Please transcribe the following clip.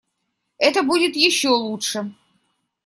Это будет еще лучше.